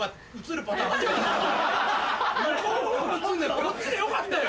こっちでよかったよ。